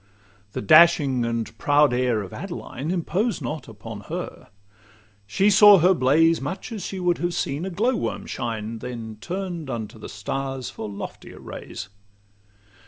The dashing and proud air of Adeline Imposed not upon her: she saw her blaze Much as she would have seen a glow worm shine, Then turn'd unto the stars for loftier rays.